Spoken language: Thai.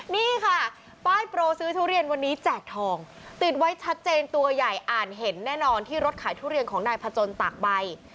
นี่ค่ะป้ายโปรซื้อทุเรียนวันนี้แจกทองติดไว้ชัดเจนตัวใหญ่อ่านเห็นแน่นอนที่รถขายทุเรียนของนายพจนตากใบ